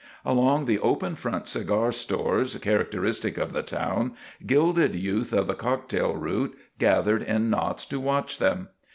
Along the open front cigar stores, characteristic of the town, gilded youth of the cocktail route gathered in knots to watch them.